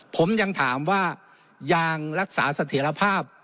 ผมยังถามว่ายางรักษาเสถียรภาพ